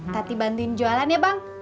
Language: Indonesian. tati bantuin jualan ya bang